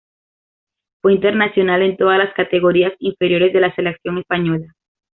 Fue internacional en todas las categorías inferiores de la selección española.